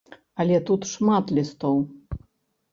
Але тут шмат лістоў.